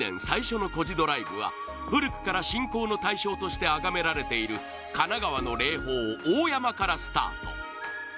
最初のコジドライブは古くから信仰の対象としてあがめられている神奈川の霊峰大山からスタート